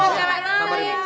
saya cari anjing peliharaan